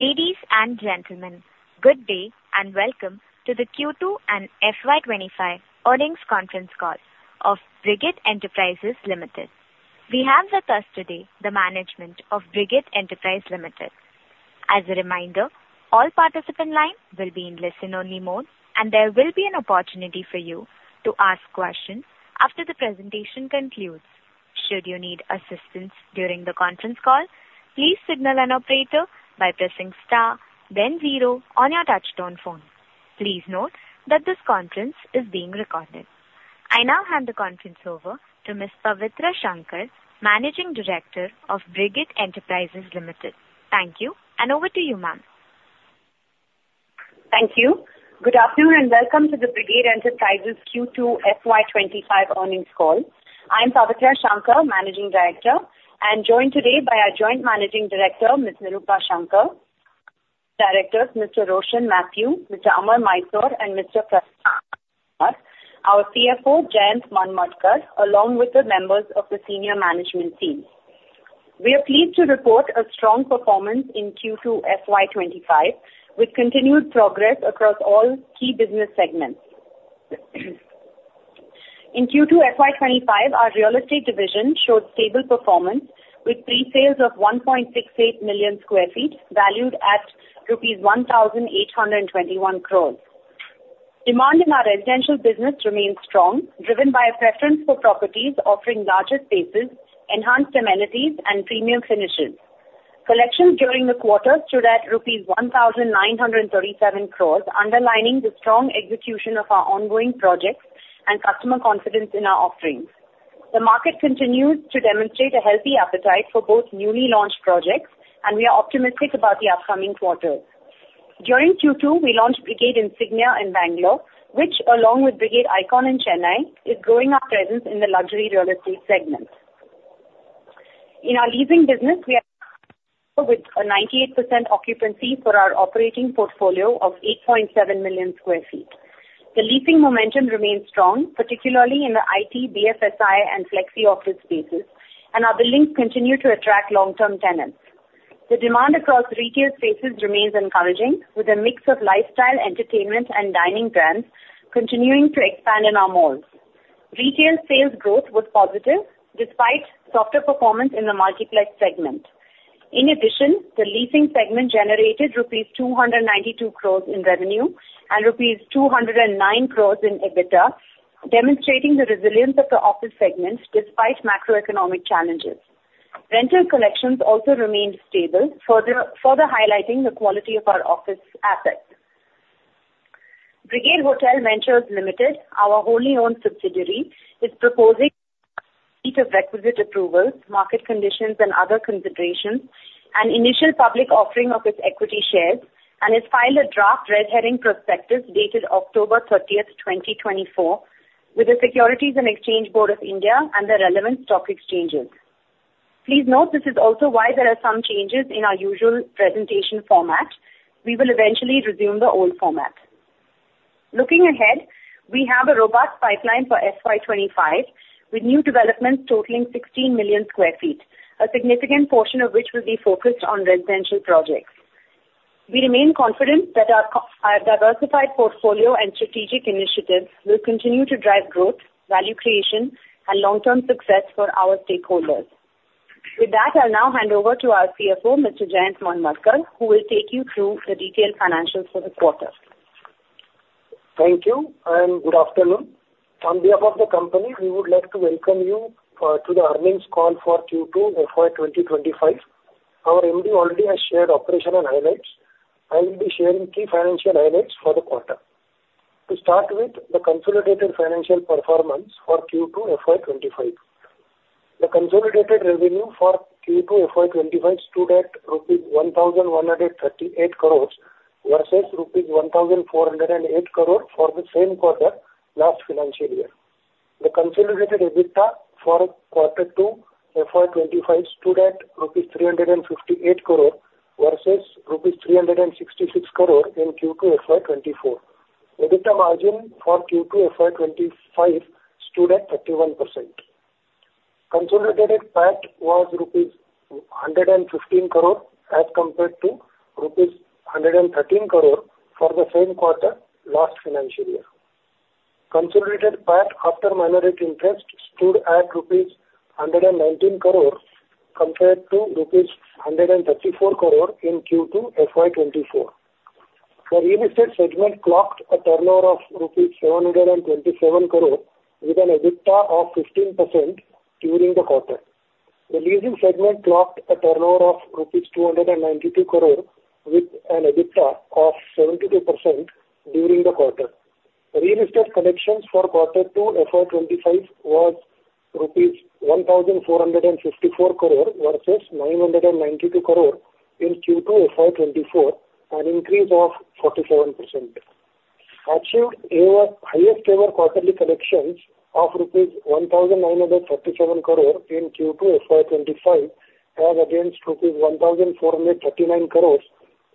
Ladies and gentlemen, good day and welcome to the Q2 and FY 25 earnings conference call of Brigade Enterprises Limited. We have with us today the management of Brigade Enterprises Limited. As a reminder, all participant lines will be in listen-only mode, and there will be an opportunity for you to ask questions after the presentation concludes. Should you need assistance during the conference call, please signal an operator by pressing star, then zero on your touch-tone phone. Please note that this conference is being recorded. I now hand the conference over to Ms. Pavitra Shankar, Managing Director of Brigade Enterprises Limited. Thank you, and over to you, ma'am. Thank you. Good afternoon and welcome to the Brigade Enterprises Q2 FY 25 earnings call. I'm Pavitra Shankar, Managing Director, and joined today by our Joint Managing Director, Ms. Nirupa Shankar, Directors, Mr. Roshin Mathew, Mr. Amar Mysore, and Mr. Pradyumna Krishna, our CFO, Jayantt Manmadkar, along with the members of the senior management team. We are pleased to report a strong performance in Q2 FY 25, with continued progress across all key business segments. In Q2 FY 25, our real estate division showed stable performance, with pre-sales of 1.68 million sq ft valued at rupees 1,821 crores. Demand in our residential business remains strong, driven by a preference for properties offering larger spaces, enhanced amenities, and premium finishes. Collections during the quarter stood at INR 1,937 crores, underlining the strong execution of our ongoing projects and customer confidence in our offerings. The market continues to demonstrate a healthy appetite for both newly launched projects, and we are optimistic about the upcoming quarter. During Q2, we launched Brigade Insignia in Bangalore, which, along with Brigade Icon in Chennai, is growing our presence in the luxury real estate segment. In our leasing business, we are with a 98% occupancy for our operating portfolio of 8.7 million sq ft. The leasing momentum remains strong, particularly in the IT, BFSI, and flexi office spaces, and our buildings continue to attract long-term tenants. The demand across retail spaces remains encouraging, with a mix of lifestyle, entertainment, and dining brands continuing to expand in our malls. Retail sales growth was positive despite softer performance in the multiplex segment. In addition, the leasing segment generated rupees 292 crores in revenue and rupees 209 crores in EBITDA, demonstrating the resilience of the office segment despite macroeconomic challenges. Rental collections also remained stable, further highlighting the quality of our office assets. Brigade Hotel Ventures Limited, our wholly owned subsidiary, is proposing, subject to receipt of requisite approvals, market conditions, and other considerations, an initial public offering of its equity shares, and has filed a Draft Red Herring Prospectus dated October 30th, 2024, with the Securities and Exchange Board of India and the relevant stock exchanges. Please note this is also why there are some changes in our usual presentation format. We will eventually resume the old format. Looking ahead, we have a robust pipeline for FY 25, with new developments totaling 16 million sq ft, a significant portion of which will be focused on residential projects. We remain confident that our diversified portfolio and strategic initiatives will continue to drive growth, value creation, and long-term success for our stakeholders. With that, I'll now hand over to our CFO, Mr. Jayantt Manmadkar, who will take you through the detailed financials for the quarter. Thank you and good afternoon. On behalf of the company, we would like to welcome you to the earnings call for Q2 FY 2025. Our MD already has shared operational highlights. I will be sharing key financial highlights for the quarter. To start with, the consolidated financial performance for Q2 FY 25. The consolidated revenue for Q2 FY 25 stood at rupees 1,138 crores versus rupees 1,408 crores for the same quarter last financial year. The consolidated EBITDA for quarter two FY 25 stood at rupees 358 crores versus rupees 366 crores in Q2 FY 24. EBITDA margin for Q2 FY 25 stood at 31%. Consolidated PAT was rupees 115 crores as compared to rupees 113 crores for the same quarter last financial year. Consolidated PAT after minority interest stood at rupees 119 crores compared to rupees 134 crores in Q2 FY 24. The real estate segment clocked a turnover of rupees 727 crores with an EBITDA of 15% during the quarter. The leasing segment clocked a turnover of rupees 292 crores with an EBITDA of 72% during the quarter. Real estate collections for Q2 FY 25 was rupees 1,454 crores versus 992 crores in Q2 FY 24, an increase of 47%. Achieved highest-ever quarterly collections of INR 1,937 crores in Q2 FY 25 as against INR 1,439 crores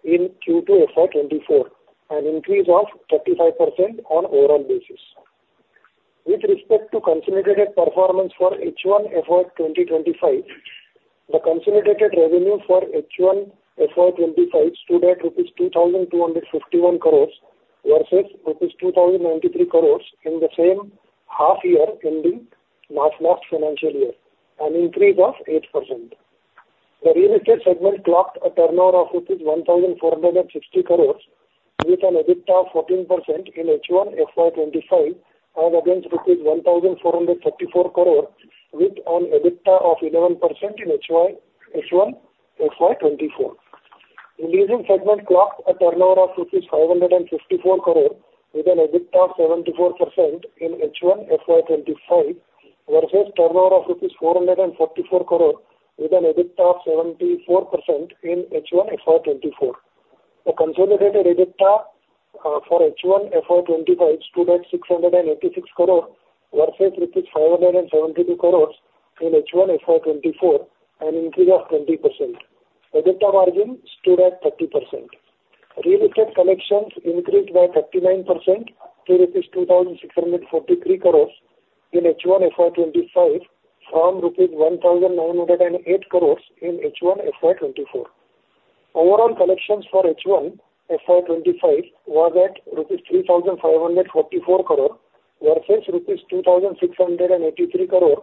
in Q2 FY 24, an increase of 35% on an overall basis. With respect to consolidated performance for H1 FY 2025, the consolidated revenue for H1 FY 25 stood at 2,251 crores versus rupees 2,093 crores in the same half-year ending last financial year, an increase of 8%. The real estate segment clocked a turnover of rupees 1,460 crores with an EBITDA of 14% in H1 FY 25 as against rupees 1,434 crores with an EBITDA of 11% in H1 FY 24. The leasing segment clocked a turnover of 554 crores with an EBITDA of 74% in H1 FY 25 versus a turnover of rupees 444 crores with an EBITDA of 74% in H1 FY 24. The consolidated EBITDA for H1 FY 25 stood at 686 crores versus rupees 572 crores in H1 FY 24, an increase of 20%. EBITDA margin stood at 30%. Real estate collections increased by 39% to INR 2,643 crores in H1 FY 25 from INR 1,908 crores in H1 FY 24. Overall collections for H1 FY 25 was at rupees 3,544 crores versus rupees 2,683 crores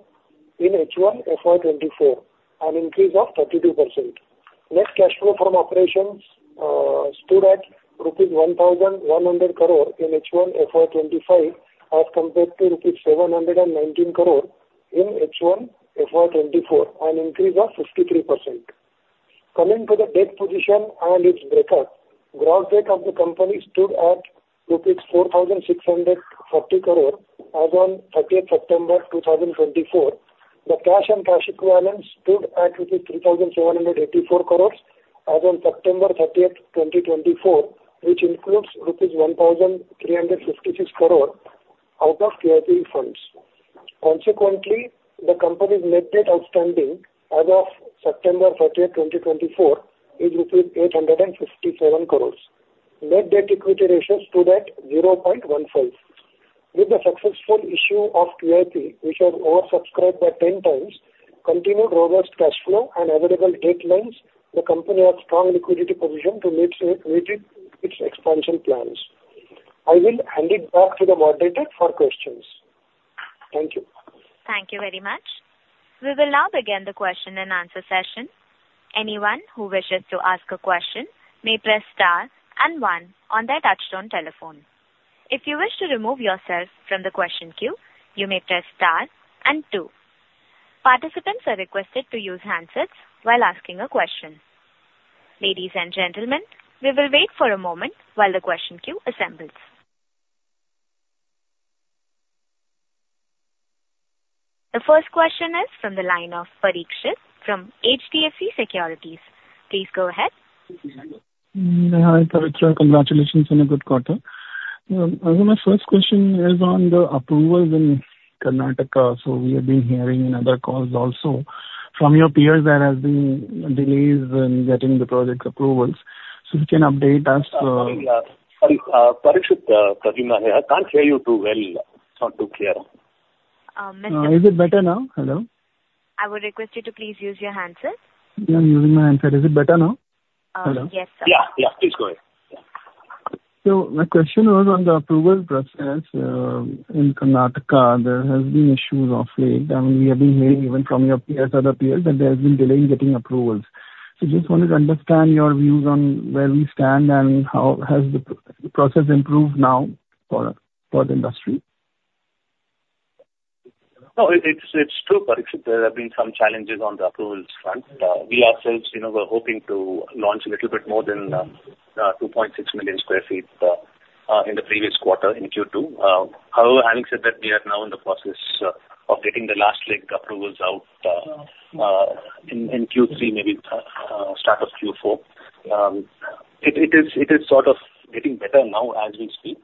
in H1 FY 24, an increase of 32%. Net cash flow from operations stood at rupees 1,100 crores in H1 FY 25 as compared to rupees 719 crores in H1 FY 24, an increase of 53%. Coming to the debt position and its breakdown, gross debt of the company stood at rupees 4,640 crores as of 30 September 2024. The cash and cash equivalents stood at 3,784 crores as of September 30th, 2024, which includes 1,356 crores out of QIP funds. Consequently, the company's net debt outstanding as of September 30th, 2024, is rupees 857 crores. Net debt equity ratio stood at 0.15. With the successful issue of QIP, which was oversubscribed by 10 times, continued robust cash flow, and available debt lines, the company has a strong liquidity position to meet its expansion plans. I will hand it back to the moderator for questions. Thank you. Thank you very much. We will now begin the question and answer session. Anyone who wishes to ask a question may press star and one on their touch-tone telephone. If you wish to remove yourself from the question queue, you may press star and two. Participants are requested to use handsets while asking a question. Ladies and gentlemen, we will wait for a moment while the question queue assembles. The first question is from the line of Parikshit from HDFC Securities. Please go ahead. Hi, Parikshit. Congratulations on a good quarter. My first question is on the approvals in Karnataka. So we have been hearing in other calls also from your peers there have been delays in getting the project approvals. So if you can update us. Parikshit talking now here. I can't hear you too well. It's not too clear. Mr. Is it better now? Hello? I would request you to please use your handset. Yeah, I'm using my handset. Is it better now? Yes, sir. Yeah, yeah. Please go ahead. So my question was on the approval process in Karnataka. There have been issues of late. And we have been hearing even from your peers, other peers, that there has been delay in getting approvals. So just wanted to understand your views on where we stand and how has the process improved now for the industry? No, it's true, Parikshit. There have been some challenges on the approvals front. We ourselves were hoping to launch a little bit more than 2.6 million sq ft in the previous quarter in Q2. However, having said that, we are now in the process of getting the last leg approvals out in Q3, maybe start of Q4. It is sort of getting better now as we speak.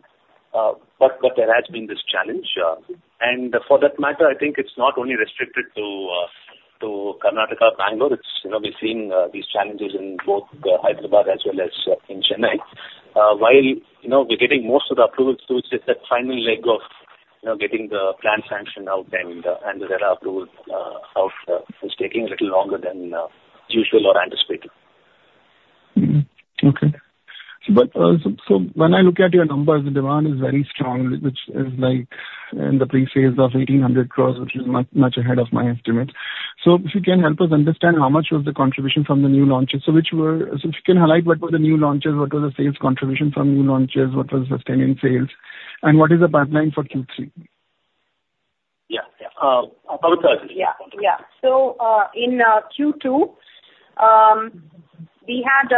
But there has been this challenge. And for that matter, I think it's not only restricted to Karnataka, Bangalore. We're seeing these challenges in both Hyderabad as well as in Chennai. While we're getting most of the approvals through, it's just that final leg of getting the plan sanctioned out and the RERA approval out is taking a little longer than usual or anticipated. Okay. So when I look at your numbers, the demand is very strong, which is like in the pre-sales of 1,800 crores, which is much ahead of my estimate. So if you can help us understand how much was the contribution from the new launches? So if you can highlight what were the new launches, what was the sales contribution from new launches, what was the sustaining sales, and what is the pipeline for Q3? Yeah, yeah. About 30%. Yeah, yeah. So in Q2, we had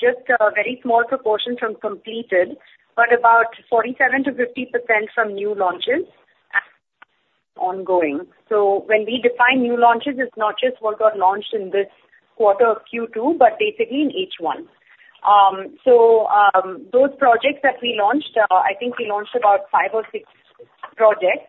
just a very small proportion from completed, but about 47%-50% from new launches ongoing. So when we define new launches, it's not just what got launched in this quarter of Q2, but basically in each one. So those projects that we launched, I think we launched about five or six projects.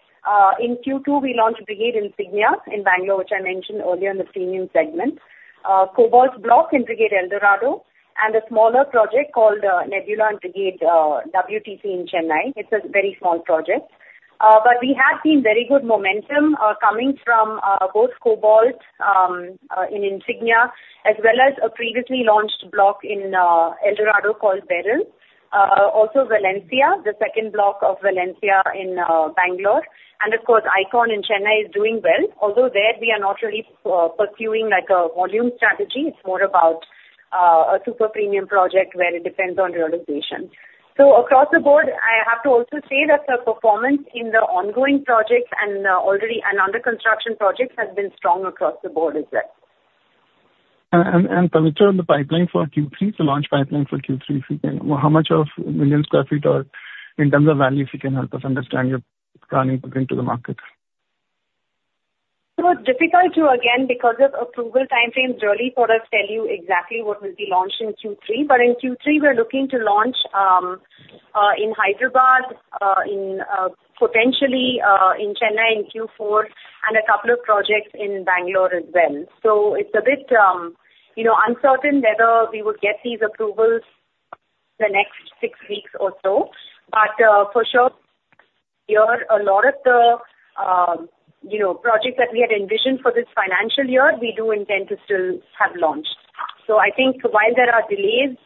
In Q2, we launched Brigade Insignia in Bangalore, which I mentioned earlier in the premium segment, Cobalt Block in Brigade Eldorado, and a smaller project called Nebula in Brigade WTC in Chennai. It's a very small project. But we had seen very good momentum coming from both Cobalt and Insignia as well as a previously launched block in Eldorado called Beryl, also Valencia, the second block of Valencia in Bangalore. And of course, Icon in Chennai is doing well. Although there, we are not really pursuing a volume strategy. It's more about a super premium project where it depends on realization. So across the board, I have to also say that the performance in the ongoing projects and under construction projects has been strong across the board as well. Parikshit, on the pipeline for Q3, the launch pipeline for Q3, how much of a million sq ft or in terms of value, if you can help us understand your planning to bring to the market? So it's difficult to, again, because of approval timeframes, really for us to tell you exactly what we'll be launching Q3. But in Q3, we're looking to launch in Hyderabad, potentially in Chennai in Q4, and a couple of projects in Bangalore as well. So it's a bit uncertain whether we would get these approvals in the next six weeks or so. But for sure, a lot of the projects that we had envisioned for this financial year, we do intend to still have launched. So I think while there are delays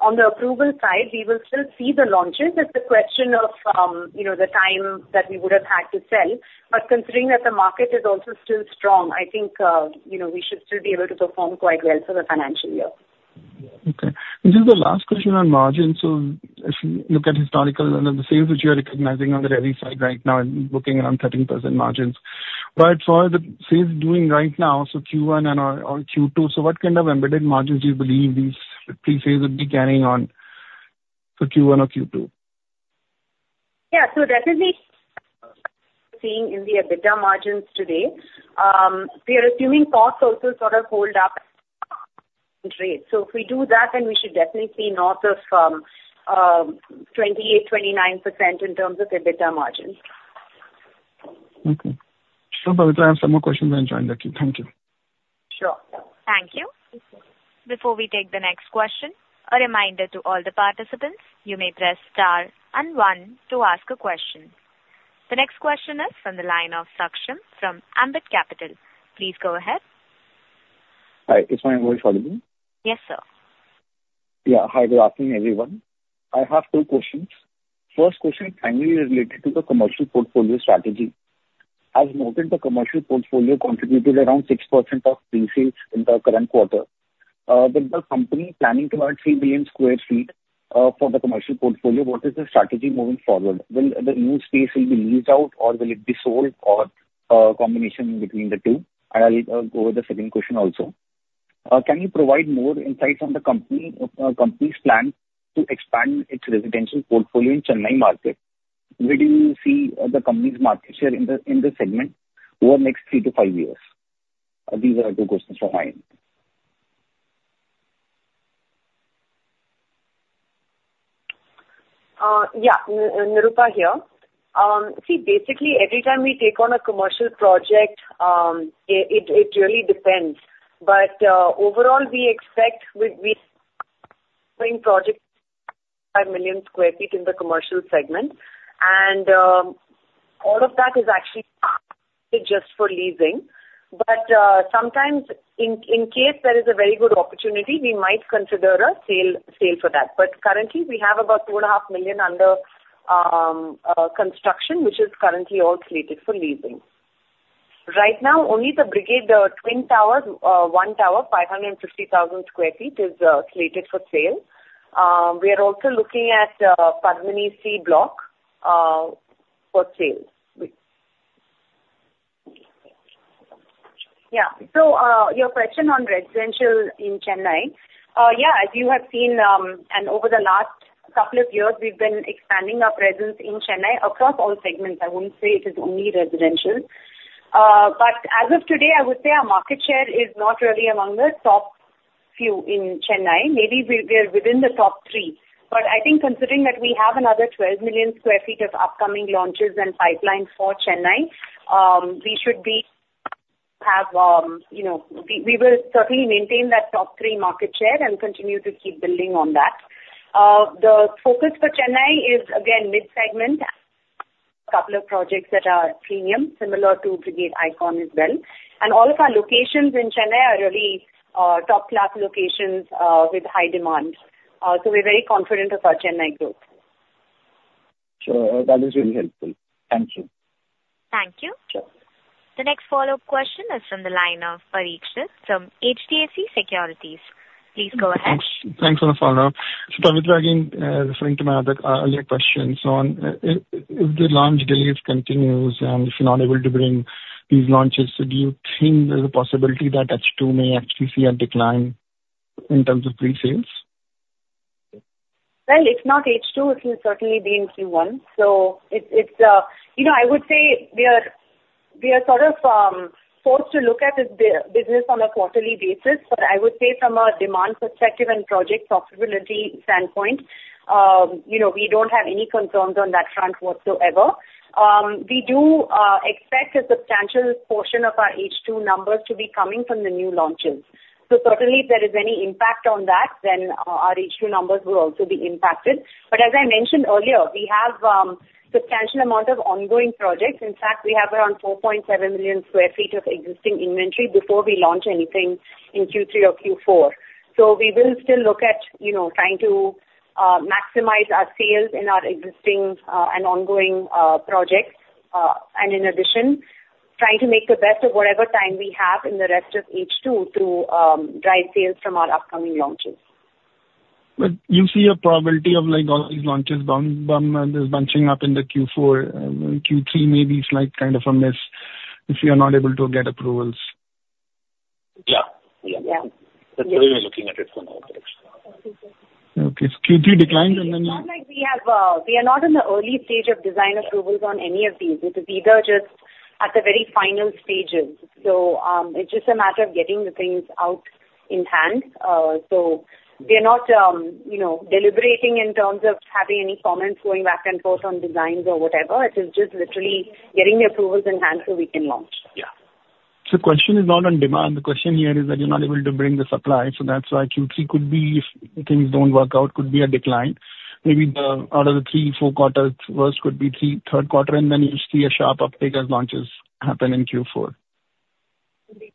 on the approval side, we will still see the launches as the question of the time that we would have had to sell. But considering that the market is also still strong, I think we should still be able to perform quite well for the financial year. Okay. This is the last question on margin. So if you look at historical and the sales, which you are recognizing on the deal side right now, looking around 13% margins. But for the sales doing right now, so Q1 and/or Q2, so what kind of embedded margins do you believe these pre-sales would be carrying on for Q1 or Q2? Yeah. So definitely seeing in the EBITDA margins today, we are assuming costs also sort of hold up. So if we do that, then we should definitely see north of 28%, 29% in terms of EBITDA margins. Okay, so I have some more questions and join the queue. Thank you. Sure. Thank you. Before we take the next question, a reminder to all the participants, you may press star and one to ask a question. The next question is from the line of Saksham from Ambit Capital. Please go ahead. Hi. Is my voice audible? Yes, sir. Yeah. Hi, good afternoon, everyone. I have two questions. The first question is primarily related to the commercial portfolio strategy. As noted, the commercial portfolio contributed around 6% of pre-sales in the current quarter. With the company planning to add 3 million sq ft for the commercial portfolio, what is the strategy moving forward? Will the new space be leased out, or will it be sold, or a combination between the two? I'll go with the second question also. Can you provide more insights on the company's plan to expand its residential portfolio in the Chennai market? Would you see the company's market share in the segment over the next 3-5 years? These are two questions from my end. Yeah. Nirupa here. See, basically, every time we take on a commercial project, it really depends. But overall, we expect we're doing projects of 5 million sq ft in the commercial segment. And all of that is actually just for leasing. But sometimes, in case there is a very good opportunity, we might consider a sale for that. But currently, we have about 2.5 million under construction, which is currently all slated for leasing. Right now, only the Brigade Twin Towers, one tower, 550,000 sq ft is slated for sale. We are also looking at Padmini C Block for sale. Yeah. So your question on residential in Chennai, yeah, as you have seen, and over the last couple of years, we've been expanding our presence in Chennai across all segments. I wouldn't say it is only residential. But as of today, I would say our market share is not really among the top few in Chennai. Maybe we are within the top three. But I think considering that we have another 12 million sq ft of upcoming launches and pipeline for Chennai, we will certainly maintain that top three market share and continue to keep building on that. The focus for Chennai is, again, mid-segment, a couple of projects that are premium, similar to Brigade Icon as well. And all of our locations in Chennai are really top-class locations with high demand. So we're very confident of our Chennai growth. Sure. That is really helpful. Thank you. Thank you. The next follow-up question is from the line of Parikshit from HDFC Securities. Please go ahead. Thanks for the follow-up. So Parikshit, again, referring to my other earlier question, so on if the launch delays continue and if you're not able to bring these launches, do you think there's a possibility that H2 may actually see a decline in terms of pre-sales? If not H2, it will certainly be in Q1. So I would say we are sort of forced to look at this business on a quarterly basis. But I would say from a demand perspective and project profitability standpoint, we don't have any concerns on that front whatsoever. We do expect a substantial portion of our H2 numbers to be coming from the new launches. So certainly, if there is any impact on that, then our H2 numbers will also be impacted. But as I mentioned earlier, we have a substantial amount of ongoing projects. In fact, we have around 4.7 million sq ft of existing inventory before we launch anything in Q3 or Q4. So we will still look at trying to maximize our sales in our existing and ongoing projects. And in addition, trying to make the best of whatever time we have in the rest of H2 to drive sales from our upcoming launches. But you see a probability of all these launches bumping and bunching up in the Q4. Q3 may be kind of a miss if you're not able to get approvals. Yeah. Yeah. That's the way we're looking at it from our perspective. Okay. So Q3 declines and then. It's not like we are not in the early stage of design approvals on any of these. This is either just at the very final stages. So it's just a matter of getting the things out in hand. So we are not deliberating in terms of having any comments going back and forth on designs or whatever. It is just literally getting the approvals in hand so we can launch. Yeah. So the question is not on demand. The question here is that you're not able to bring the supply. So that's why Q3 could be, if things don't work out, could be a decline. Maybe out of the three, four quarters, worst could be third quarter, and then you see a sharp uptake as launches happen in Q4.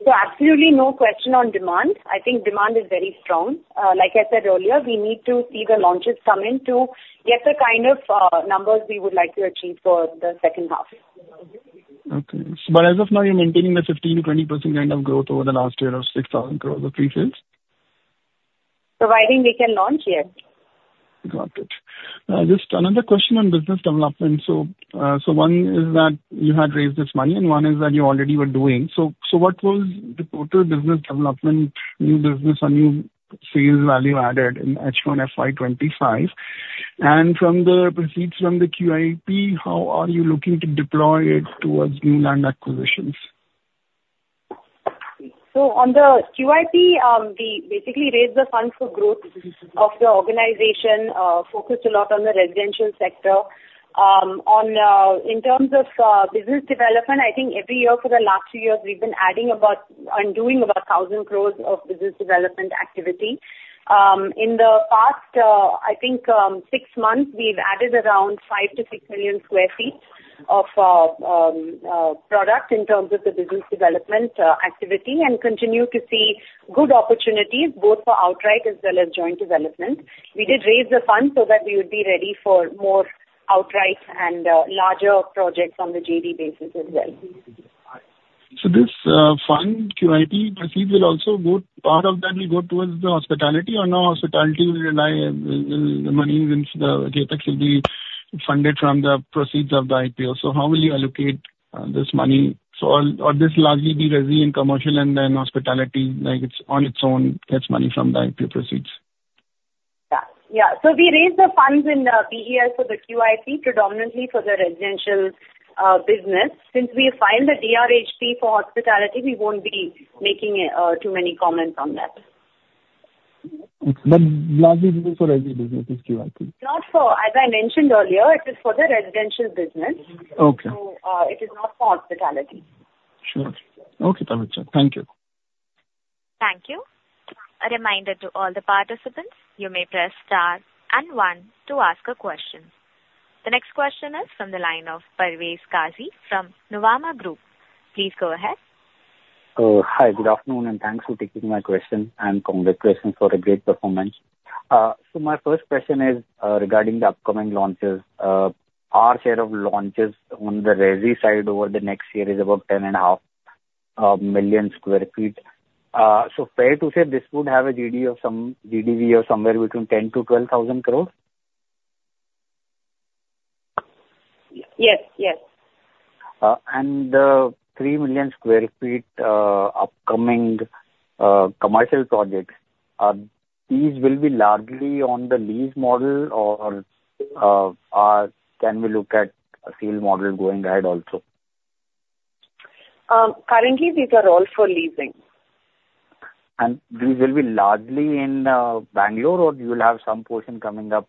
So absolutely no question on demand. I think demand is very strong. Like I said earlier, we need to see the launches come in to get the kind of numbers we would like to achieve for the second half. Okay. But as of now, you're maintaining the 15%-20% kind of growth over the last year of 6,000 crores of pre-sales? Providing we can launch, yes. Got it. Just another question on business development. So one is that you had raised this money, and one is that you already were doing. So what was the total business development, new business or new sales value added in H1 FY 25? And from the receipts from the QIP, how are you looking to deploy it towards new land acquisitions? So on the QIP, we basically raised the fund for growth of the organization, focused a lot on the residential sector. In terms of business development, I think every year for the last two years, we've been adding about and doing about 1,000 crores of business development activity. In the past six months, I think we've added around 5-6 million sq ft of product in terms of the business development activity and continue to see good opportunities both for outright as well as joint development. We did raise the funds so that we would be ready for more outright and larger projects on the JD basis as well. So this fund, QIP receipt, will also go part of that will go towards the hospitality or no hospitality will the money in the CapEx will be funded from the proceeds of the IPO? So how will you allocate this money? So this largely be residential and commercial and then hospitality on its own gets money from the IPO proceeds? Yeah. Yeah. So we raised the funds in the BSE for the QIP predominantly for the residential business. Since we filed the DRHP for hospitality, we won't be making too many comments on that. But largely for residential business is QIP? Not for, as I mentioned earlier, it is for the residential business. So it is not for hospitality. Sure. Okay, Parikshit. Thank you. Thank you. A reminder to all the participants, you may press star and one to ask a question. The next question is from the line of Parvez Qazi from Nuvama Group. Please go ahead. Hi, good afternoon, and thanks for taking my question. And congratulations for a great performance. So my first question is regarding the upcoming launches. Our share of launches on the resi side over the next year is about 10.5 million sq ft. So fair to say this would have a GDV of somewhere between 10-12 thousand crores? Yes. Yes. The 3 million sq ft upcoming commercial projects, these will be largely on the lease model or can we look at a sale model going ahead also? Currently, these are all for leasing. These will be largely in Bangalore or you'll have some portion coming up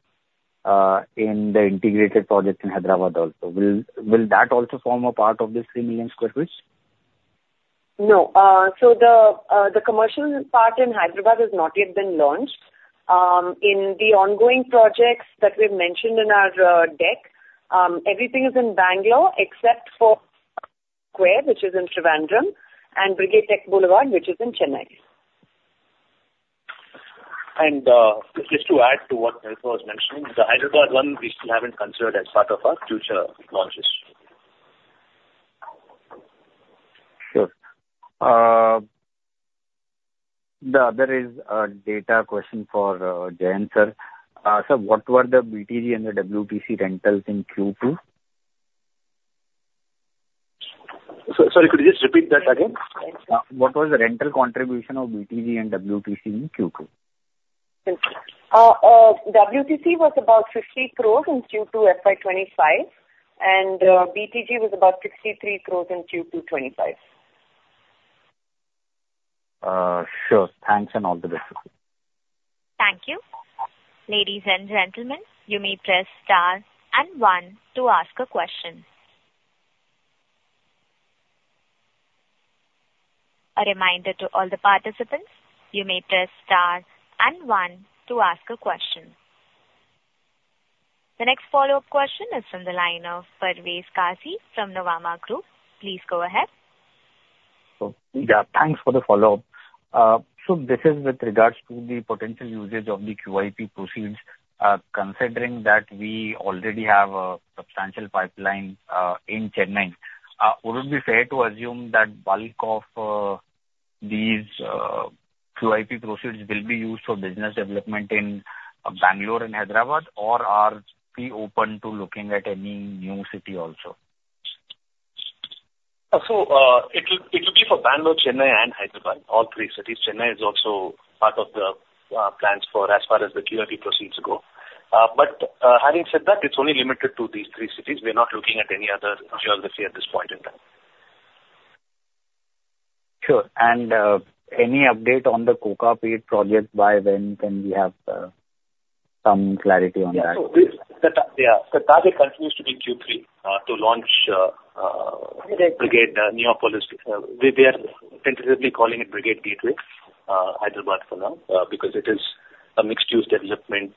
in the integrated project in Hyderabad also? Will that also form a part of this 3 million sq ft? No. So the commercial part in Hyderabad has not yet been launched. In the ongoing projects that we've mentioned in our deck, everything is in Bangalore except for Square, which is in Trivandrum, and Brigade Tech Boulevard, which is in Chennai. Just to add to what Nirupa was mentioning, the Hyderabad one, we still haven't considered as part of our future launches. Sure. There is a data question for Jayantt Sir. So what were the BTG and the WTC rentals in Q2? Sorry, could you just repeat that again? What was the rental contribution of BTG and WTC in Q2? WTC was about 50 crores in Q2 FY 25, and BTG was about 63 crores in Q2 FY 25. Sure. Thanks, and all the best. Thank you. Ladies and gentlemen, you may press star and one to ask a question. A reminder to all the participants, you may press star and one to ask a question. The next follow-up question is from the line of Parvez Qazi from Nuvama Group. Please go ahead. Yeah. Thanks for the follow-up. So this is with regards to the potential usage of the QIP proceeds. Considering that we already have a substantial pipeline in Chennai, would it be fair to assume that bulk of these QIP proceeds will be used for business development in Bangalore and Hyderabad, or are we open to looking at any new city also? So it will be for Bangalore, Chennai, and Hyderabad, all three cities. Chennai is also part of the plans for as far as the QIP proceeds go. But having said that, it's only limited to these three cities. We're not looking at any other geography at this point in time. Sure. And any update on the Kokapet project by when can we have some clarity on that? Yeah, so the target continues to be Q3 to launch Brigade Neopolis. We are tentatively calling it Brigade Gateway Hyderabad for now because it is a mixed-use development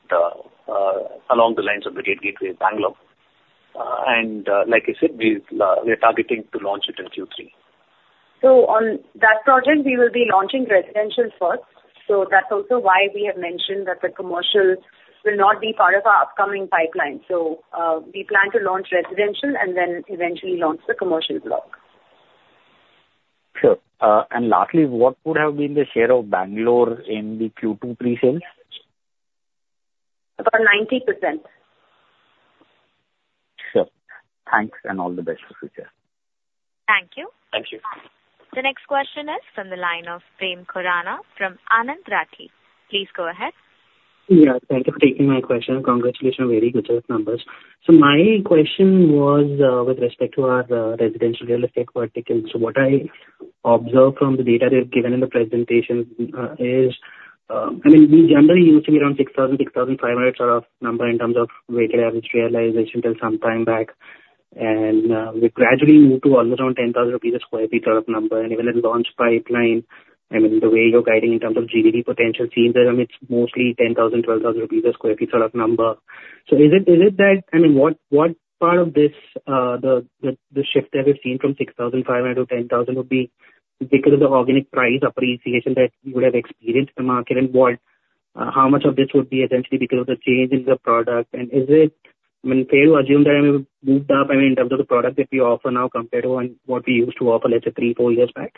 along the lines of Brigade Gateway Bangalore, and like I said, we are targeting to launch it in Q3. So on that project, we will be launching residential first. So that's also why we have mentioned that the commercial will not be part of our upcoming pipeline. So we plan to launch residential and then eventually launch the commercial block. Sure, and lastly, what would have been the share of Bangalore in the Q2 pre-sales? About 90%. Sure. Thanks and all the best for future. Thank you. Thank you. The next question is from the line of Prem Khurana from Anand Rathi. Please go ahead. Yeah. Thank you for taking my question. Congratulations on very good numbers. So my question was with respect to our residential real estate vertical. So what I observed from the data they've given in the presentation is, I mean, we generally used to be around 6,000, 6,500 sort of number in terms of weighted average realization till some time back. And we gradually moved to almost around 10,000 rupees per sq ft sort of number. And even in launch pipeline, I mean, the way you're guiding in terms of GDV potential seems that it's mostly 10,000-12,000 rupees per sq ft sort of number. So is it that, I mean, what part of this, the shift that we've seen from 6,500-10,000 would be because of the organic price appreciation that you would have experienced in the market? And how much of this would be essentially because of the change in the product? And is it, I mean, fair to assume that we moved up, I mean, in terms of the product that we offer now compared to what we used to offer, let's say, three, four years back?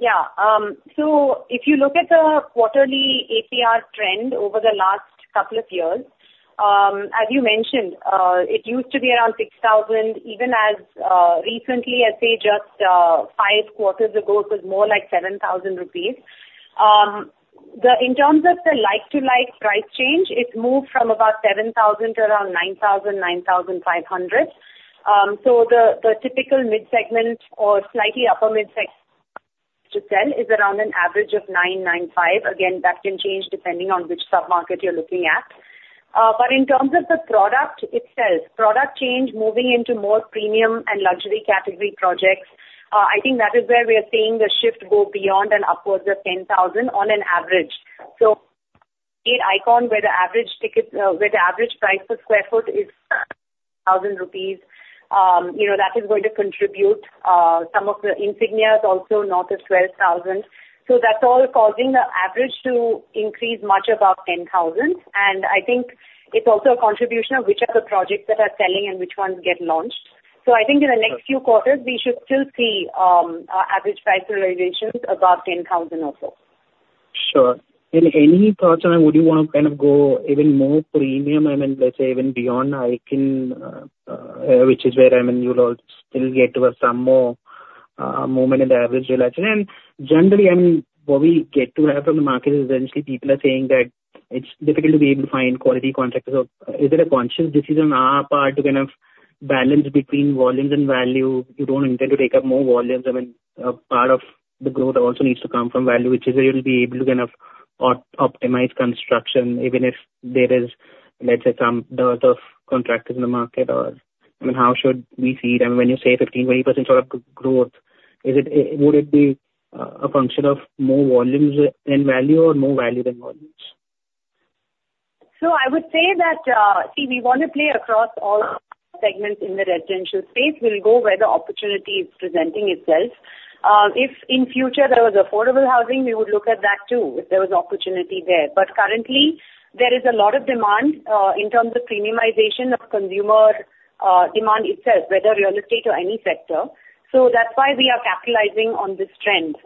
Yeah. So if you look at the quarterly APR trend over the last couple of years, as you mentioned, it used to be around 6,000. Even as recently, I'd say just five quarters ago, it was more like 7,000 rupees. In terms of the like-to-like price change, it's moved from about 7,000 to around 9,000-9,500. So the typical mid-segment or slightly upper mid-segment to sell is around an average of 9,950. Again, that can change depending on which sub-market you're looking at. But in terms of the product itself, product change moving into more premium and luxury category projects, I think that is where we are seeing the shift go beyond and upwards of 10,000 on an average. So Icon where the average ticket where the average price per sq ft is 10,000 rupees, that is going to contribute. Some of the Insignia is also north of 12,000. So that's all causing the average to increase much above 10,000. And I think it's also a contribution of which are the projects that are selling and which ones get launched. So I think in the next few quarters, we should still see average price realizations above 10,000 or so. Sure. In the near term, would you want to kind of go even more premium? I mean, let's say even beyond Icon, which is where we are, you'll still get to have some more movement in the average realization. And generally, I mean, what we get to have from the market is essentially people are saying that it's difficult to be able to find quality contractors. So is it a conscious decision on our part to kind of balance between volumes and value? You don't intend to take up more volumes. I mean, a part of the growth also needs to come from value, which is where you'll be able to kind of optimize construction, even if there is, let's say, some dearth of contractors in the market. I mean, how should we see it? I mean, when you say 15%-20% sort of growth, would it be a function of more volumes than value or more value than volumes? So I would say that, see, we want to play across all segments in the residential space. We'll go where the opportunity is presenting itself. If in future there was affordable housing, we would look at that too if there was opportunity there. But currently, there is a lot of demand in terms of premiumization of consumer demand itself, whether real estate or any sector. So that's why we are capitalizing on this trend.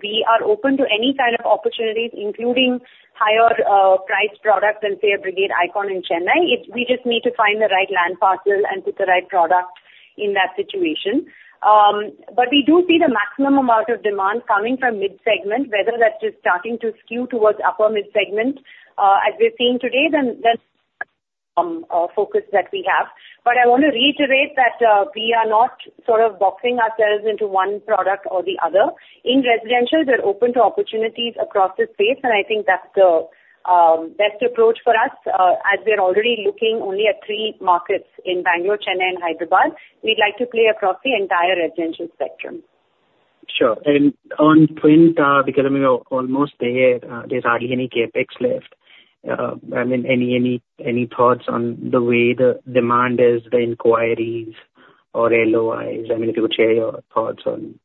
We are open to any kind of opportunities, including higher-priced products than say a Brigade Icon in Chennai. We just need to find the right land parcel and put the right product in that situation. But we do see the maximum amount of demand coming from mid-segment, whether that's just starting to skew towards upper mid-segment, as we're seeing today, then that's the focus that we have. But I want to reiterate that we are not sort of boxing ourselves into one product or the other. In residential, we're open to opportunities across the space, and I think that's the best approach for us. As we're already looking only at three markets in Bangalore, Chennai, and Hyderabad, we'd like to play across the entire residential spectrum. Sure. And on the front, because I mean, we're almost there, there's hardly any space left. I mean, any thoughts on the way the demand is, the inquiries or LOIs? I mean, if you would share your thoughts on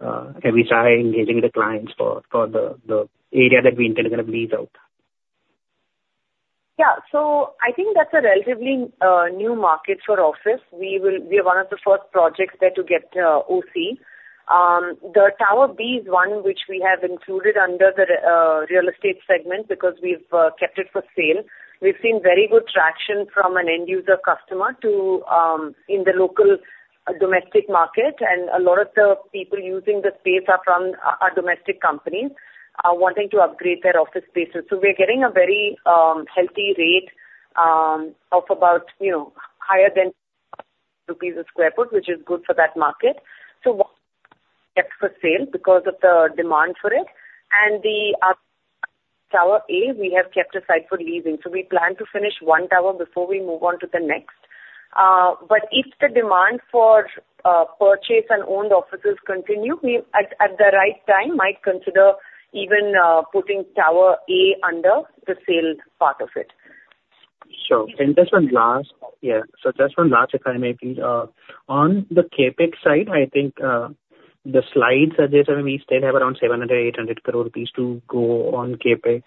how we are engaging the clients for the area that we intend to kind of lease out. Yeah. So I think that's a relatively new market for office. We are one of the first projects there to get OC. The Tower B is one which we have included under the real estate segment because we've kept it for sale. We've seen very good traction from an end-user customer in the local domestic market, and a lot of the people using the space are from our domestic companies wanting to upgrade their office spaces. So we're getting a very healthy rate of about higher than INR 10,000 a sq ft, which is good for that market. So we kept for sale because of the demand for it. And the Tower A, we have kept aside for leasing. So we plan to finish one tower before we move on to the next. But if the demand for purchase and owned offices continue, we at the right time might consider even putting Tower A under the sale part of it. Sure. And just one last, if I may please. On the CapEx side, I think the slides suggest we still have around 700-800 crore rupees to go on CapEx,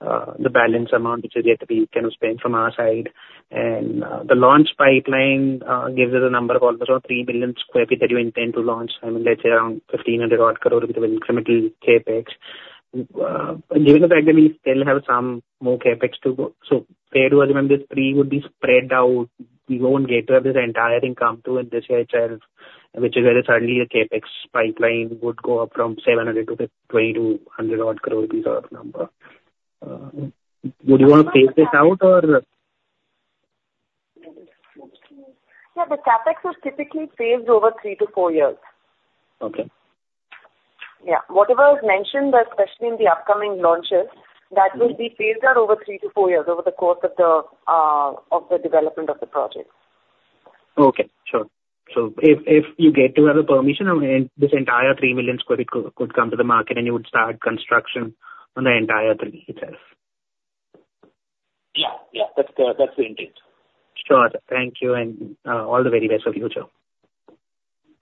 the balance amount, which is yet to be kind of spent from our side. And the launch pipeline gives us a number of almost around 3 million sq ft that we intend to launch. I mean, let's say around 1,500-odd crore with incremental CapEx. Given the fact that we still have some more CapEx to go, so fair to assume this three would be spread out. We won't get to have this entire thing come to a decision itself, which is where suddenly the CapEx pipeline would go up from 700-800 to 2,000-2,100-odd crore rupees sort of number. Would you want to phase this out or? Yeah. The CapEx are typically phased over 3-4 years. Okay. Yeah. Whatever is mentioned, especially in the upcoming launches, that will be phased out over three to four years over the course of the development of the project. Okay. Sure. So if you get to have the permission, this entire 3 million sq ft could come to the market, and you would start construction on the entire three itself. Yeah. Yeah. That's the intent. Sure. Thank you, and all the very best for future.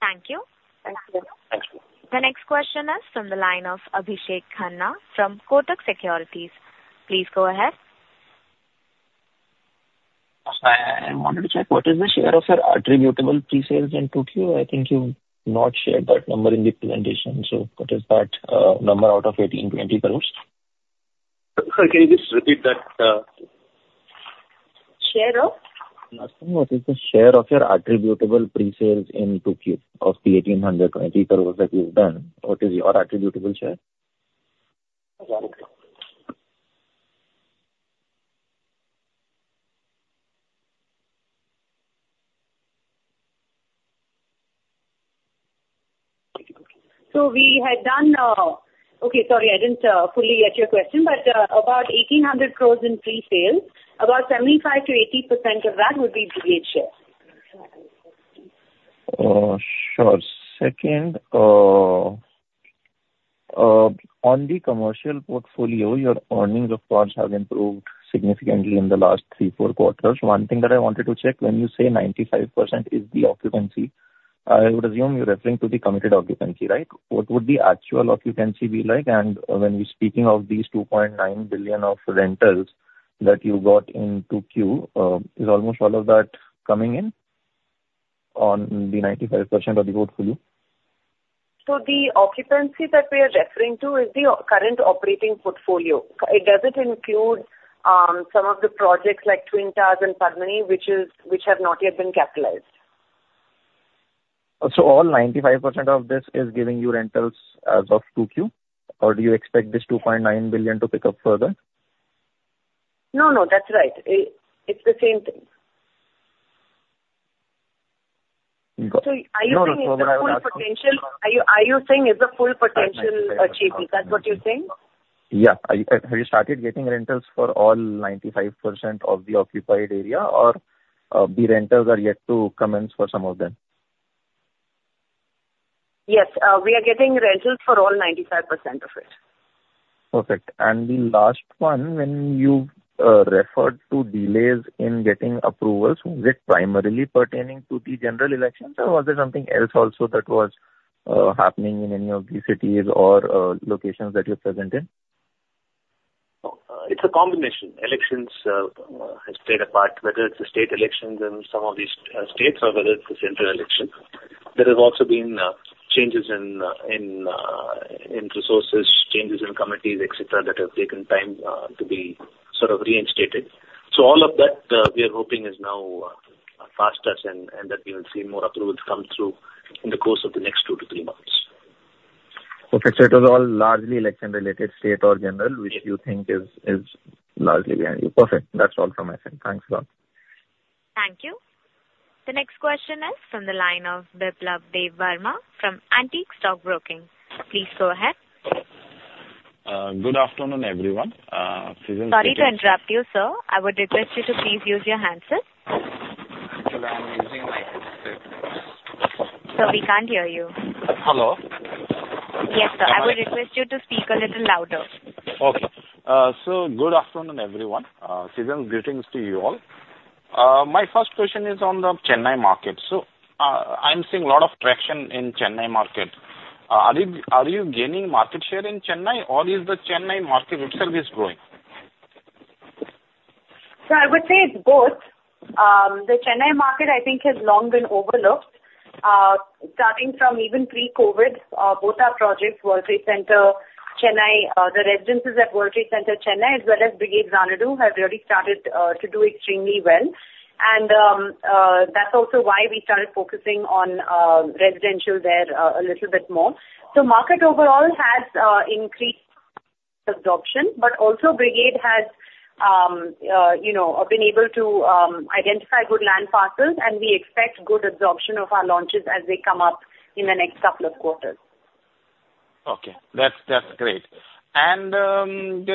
Thank you. Thank you. The next question is from the line of Abhishek Khanna from Kotak Securities. Please go ahead. I wanted to check what is the share of your attributable pre-sales into Q? I think you not shared that number in the presentation. So what is that number out of 1,820 crores? Sorry, can you just repeat that? Share of? I think what is the share of your attributable pre-sales in 2Q of the 1,820 crores that you've done? What is your attributable share? So we had done okay. Sorry, I didn't fully get your question, but about 1,800 crores in pre-sales, about 75%-80% of that would be BHS. Sure. Second, on the commercial portfolio, your EBITDA has improved significantly in the last three, four quarters. One thing that I wanted to check, when you say 95% is the occupancy, I would assume you're referring to the committed occupancy, right? What would the actual occupancy be like? And when we're speaking of these 2.9 billion of rentals that you got in 2Q, is almost all of that coming in on the 95% of the portfolio? The occupancy that we are referring to is the current operating portfolio. Does it include some of the projects like Twin Towers and Padmini, which have not yet been capitalized? So all 95% of this is giving you rentals as of 2Q? Or do you expect this 2.9 billion to pick up further? No, no. That's right. It's the same thing. Good. So are you saying it's a full potential? Are you saying it's a full potential achievement? That's what you're saying? Yeah. Have you started getting rentals for all 95% of the occupied area, or the rentals are yet to commence for some of them? Yes. We are getting rentals for all 95% of it. Perfect. And the last one, when you referred to delays in getting approvals, was it primarily pertaining to the general elections, or was there something else also that was happening in any of the cities or locations that you're present in? It's a combination. Elections have played a part, whether it's the state elections in some of these states or whether it's the central elections. There have also been changes in resources, changes in committees, etc., that have taken time to be sort of reinstated. So all of that we are hoping is now past us and that we will see more approvals come through in the course of the next two to three months. Perfect. So it was all largely election-related, state or general, which you think is largely behind you. Perfect. That's all from my side. Thanks a lot. Thank you. The next question is from the line of Biplab Debbarma from Antique Stock Broking. Please go ahead. Good afternoon, everyone. Sorry to interrupt you, sir. I would request you to please use your handset. Actually, I'm using my headset. So we can't hear you. Hello? Yes, sir. I would request you to speak a little louder. Okay. So good afternoon, everyone. Season's greetings to you all. My first question is on the Chennai market. So I'm seeing a lot of traction in Chennai market. Are you gaining market share in Chennai, or is the Chennai market itself growing? So I would say it's both. The Chennai market, I think, has long been overlooked. Starting from even pre-COVID, both our projects, Brigade World Trade Center Chennai, the Residences at Brigade World Trade Center Chennai, as well as Brigade Xanadu, have already started to do extremely well. And that's also why we started focusing on residential there a little bit more. So market overall has increased absorption, but also Brigade has been able to identify good land parcels, and we expect good absorption of our launches as they come up in the next couple of quarters. Okay. That's great. And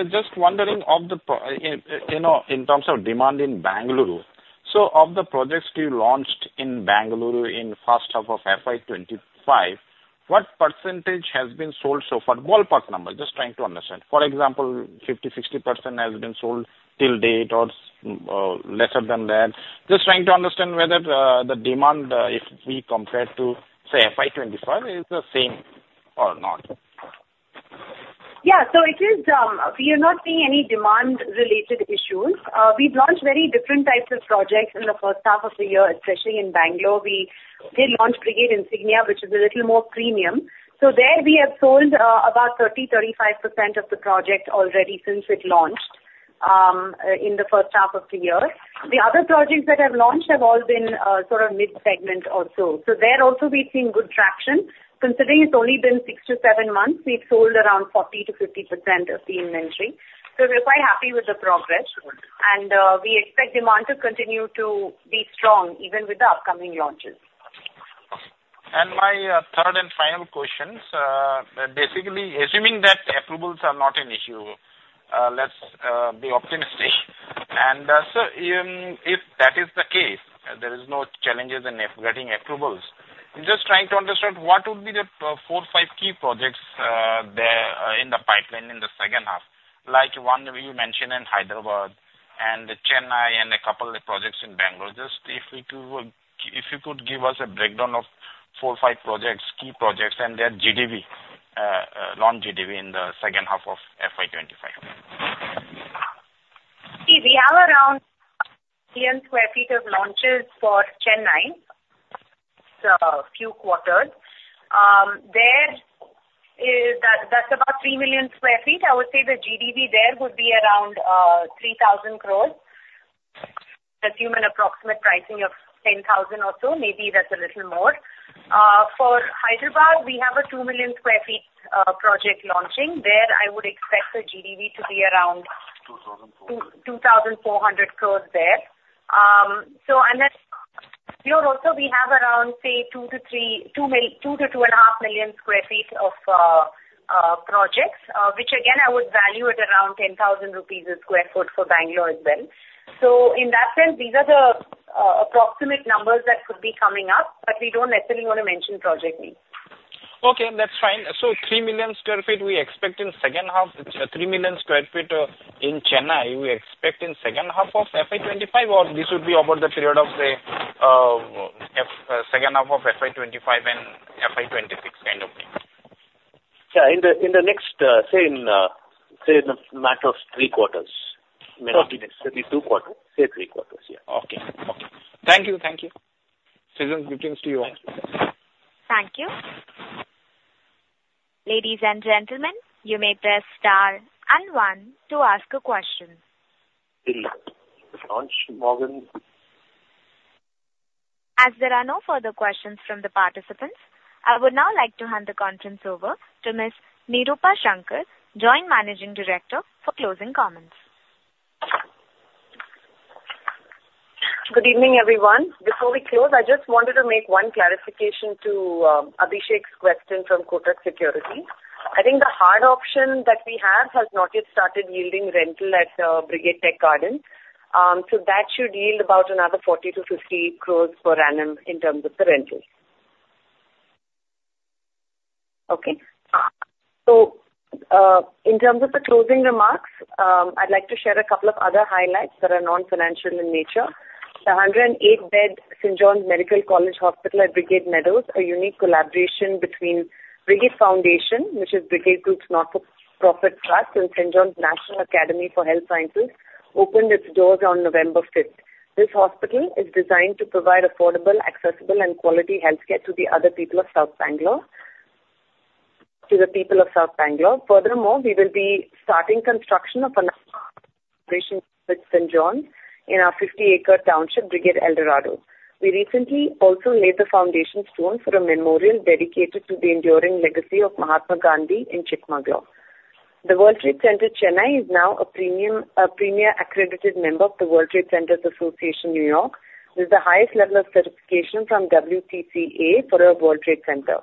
just wondering in terms of demand in Bangalore, so of the projects you launched in Bangalore in first half of FY 25, what percentage has been sold so far? Ballpark number, just trying to understand. For example, 50%, 60% has been sold till date or lesser than that. Just trying to understand whether the demand, if we compare to, say, FY 25, is the same or not. Yeah. So we are not seeing any demand-related issues. We've launched very different types of projects in the first half of the year, especially in Bangalore. We did launch Brigade Insignia, which is a little more premium. So there, we have sold about 30%-35% of the project already since it launched in the first half of the year. The other projects that have launched have all been sort of mid-segment or so. So there also, we've seen good traction. Considering it's only been 6-7 months, we've sold around 40%-50% of the inventory. So we're quite happy with the progress, and we expect demand to continue to be strong even with the upcoming launches. My third and final questions, basically, assuming that approvals are not an issue. Let's be optimistic. If that is the case, there are no challenges in getting approvals. I'm just trying to understand what would be the four, five key projects there in the pipeline in the second half, like one you mentioned in Hyderabad and Chennai and a couple of projects in Bangalore. Just if you could give us a breakdown of four, five projects, key projects, and their GDV, launch GDV in the second half of FY 25. See, we are around 3 million sq ft of launches for Chennai, so a few quarters. That's about 3 million sq ft. I would say the GDV there would be around 3,000 crores, assuming an approximate pricing of 10,000 or so. Maybe that's a little more. For Hyderabad, we have a 2 million sq ft project launching. There I would expect the GDV to be around 2,400 crores there. And then here also, we have around, say, 2 million-2.5 million sq ft of projects, which again, I would value at around 10,000 rupees a sq ft for Bangalore as well. So in that sense, these are the approximate numbers that could be coming up, but we don't necessarily want to mention project names. Okay. That's fine. So 3 million sq ft we expect in second half. 3 million sq ft in Chennai, we expect in second half of FY 25, or this would be over the period of the second half of FY 25 and FY 26 kind of thing? Yeah. In the next same matter of three quarters. Maybe two quarters. Say three quarters. Yeah. Okay. Thank you. Season's greetings to you all. Thank you. Ladies and gentlemen, you may press star and one to ask a question. [In launch, Morgan]. As there are no further questions from the participants, I would now like to hand the conference over to Ms. Nirupa Shankar, Joint Managing Director, for closing comments. Good evening, everyone. Before we close, I just wanted to make one clarification to Abhishek's question from Kotak Securities. I think the hard option that we have has not yet started yielding rental at Brigade Tech Gardens. So that should yield about another 40-50 crores per annum in terms of the rental. Okay. So in terms of the closing remarks, I'd like to share a couple of other highlights that are non-financial in nature. The 108-bed St. John's Medical College Hospital at Brigade Meadows, a unique collaboration between Brigade Foundation, which is Brigade Group's not-for-profit trust, and St. John's National Academy of Health Sciences, opened its doors on November 5th. This hospital is designed to provide affordable, accessible, and quality healthcare to the other people of South Bangalore, to the people of South Bangalore. Furthermore, we will be starting construction of a new foundation with St. John's in our 50 acres township, Brigade Eldorado. We recently also laid the foundation stones for a memorial dedicated to the enduring legacy of Mahatma Gandhi in Chikmagalur. The World Trade Center, Chennai, is now a premier accredited member of the World Trade Centers Association, New York, with the highest level of certification from WTCA for a World Trade Center.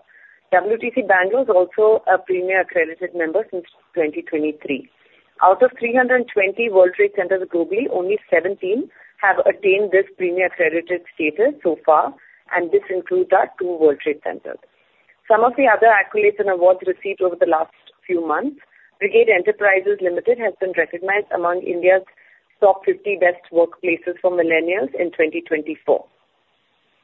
WTC Bangalore is also a premier accredited member since 2023. Out of 320 World Trade Centers globally, only 17 have attained this premier accredited status so far, and this includes our two World Trade Centers. Some of the other accolades and awards received over the last few months, Brigade Enterprises Limited has been recognized among India's Top 50 Best Workplaces for Millennials in 2024.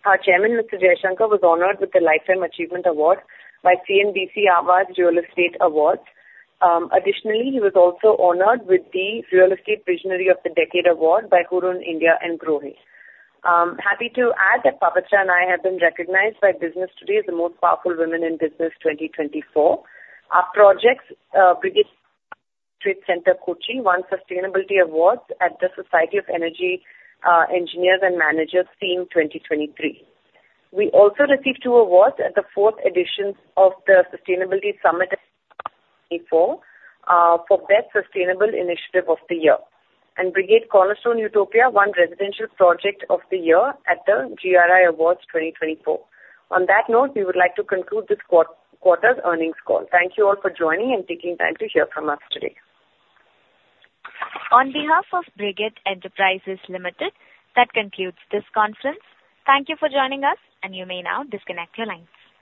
Our Chairman, Mr. Jaishankar, was honored with the Lifetime Achievement Award by CNBC Awaaz Real Estate Awards. Additionally, he was also honored with the Real Estate Visionary of the Decade Award by Hurun India and GROHE. Happy to add that Pavitra and I have been recognized by Business Today as the Most Powerful Women in Business 2024. Our projects, Brigade Trade Centre Kochi, won Sustainability Awards at the Society of Energy Engineers and Managers SEEM 2023. We also received two awards at the fourth edition of the Sustainability Summit 2024 for Best Sustainable Initiative of the Year, and Brigade Cornerstone Utopia won Residential Project of the Year at the GRI Awards 2024. On that note, we would like to conclude this quarter's earnings call. Thank you all for joining and taking time to hear from us today. On behalf of Brigade Enterprises Limited, that concludes this conference. Thank you for joining us, and you may now disconnect your lines.